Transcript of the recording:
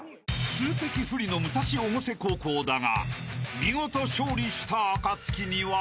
［数的不利の武蔵越生高校だが見事勝利した暁には］